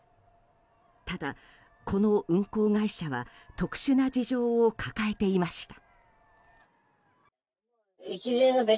ただ、この運航会社は特殊な事情を抱えていました。